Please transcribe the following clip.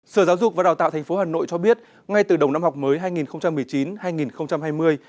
sở giáo dục và đào tạo tp hà nội cho biết ngay từ đầu năm học mới hai nghìn một mươi chín hai nghìn hai mươi